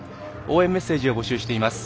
応援メッセージを募集しています。